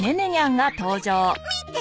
見て？